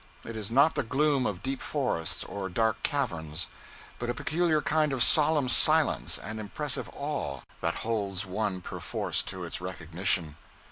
It is not the gloom of deep forests or dark caverns, but a peculiar kind of solemn silence and impressive awe that holds one perforce to its recognition.